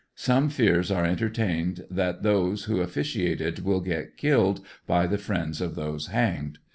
Some fears are entertained that those who officiated will get killed by the friends of those hanged.